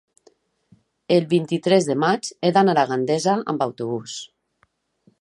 el vint-i-tres de maig he d'anar a Gandesa amb autobús.